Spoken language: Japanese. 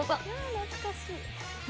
懐かしい。